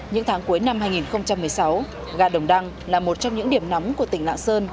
những tháng cuối năm hai nghìn một mươi sáu gà đồng đăng là một trong những điểm nóng của tỉnh lạng sơn